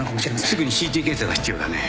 すぐにＣＴ検査が必要だね。